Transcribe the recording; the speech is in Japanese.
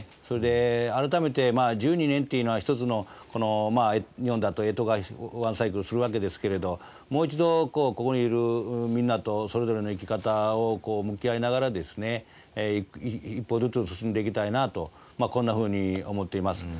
それで改めてまあ１２年っていうのは一つのまあ日本だとえとがワンサイクルするわけですけれどもう一度ここにいるみんなとそれぞれの生き方をこう向き合いながらですね一歩ずつ進んでいきたいなとまあこんなふうに思っています。